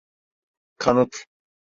Kanıt…